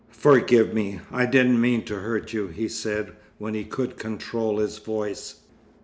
"Forgive me. I didn't mean to hurt you," he said when he could control his voice.